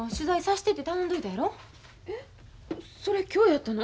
えっそれ今日やったの？